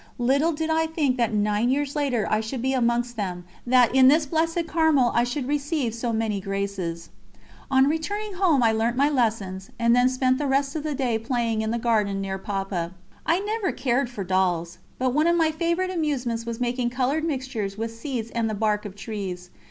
Little did I think that nine years later I should be amongst them, that in this blessed Carmel I should receive so many graces. On returning home I learnt my lessons, and then spent the rest of the day playing in the garden near Papa. I never cared for dolls, but one of my favourite amusements was making coloured mixtures with seeds and the bark of trees.